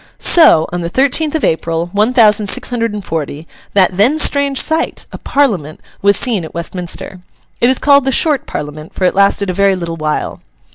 So, on the thirteenth of April, one thousand six hundred and forty, that then strange sight, a Parliament, was seen at Westminster. It is called the Short Parliament, for it lasted a very little while.